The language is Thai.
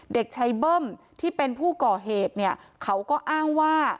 เด็กชายเบิ้มที่เป็นผู้ก่อเหตุเนี่ยเขาก็อ้างว่า